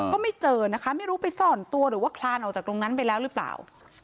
ก็ไม่เจอนะคะไม่รู้ไปซ่อนตัวหรือว่าคลานออกจากตรงนั้นไปแล้วหรือเปล่า